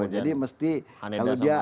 jadi mesti kalau dia